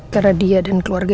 karena dia dan keluarga